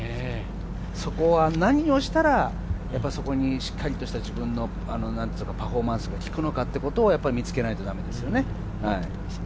そこは何をしたら、そこにしっかりとした自分のパフォーマンスがきくのかというのも見つけないとダメですね。